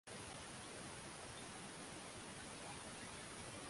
na athari zinazoweza kujitokeza katika uchumi wa dunia